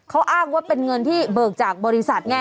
เขาอ้างว่าเป็นเงินที่เบิกจากบริษัทไง